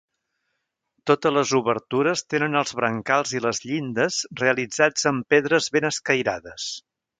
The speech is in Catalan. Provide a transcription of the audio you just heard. Totes les obertures tenen els brancals i les llindes realitzats amb pedres ben escairades.